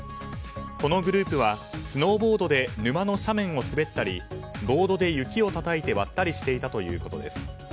このグループはスノーボードで沼の斜面を滑ったりボードで雪をたたいて割ったりしていたということです。